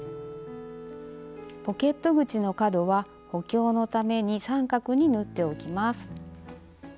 ポケット口の角は補強のために三角に縫っておきます。